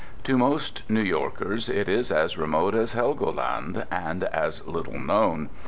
To most New Yorkers it is as remote as Helgoland and as little known.